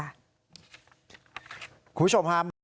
คุณผู้ชมฮะ